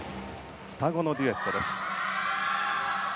双子のデュエットです。